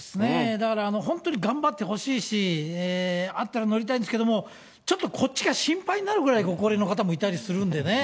だから、本当に頑張ってほしいし、あったら乗りたいんですけど、ちょっとこっちが心配になるぐらいご高齢の方もいたりするんでね。